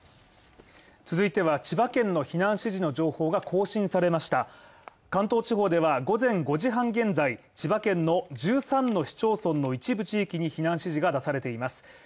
続いては千葉県の避難指示の情報が更新されました関東地方では午前５時半現在、千葉県の１３の市町村の一部地域に避難指示が出されています。